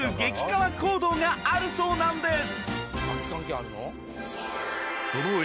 カワ行動があるそうなんです